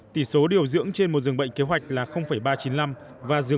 tỷ số điều dưỡng trên một dường bệnh kế hoạch là ba trăm chín mươi năm